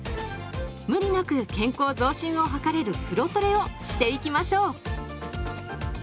無理なく健康増進を図れる風呂トレをしていきましょう。